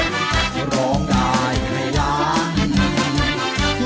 รับไปเลยนะครับ๓๐๐๐บาท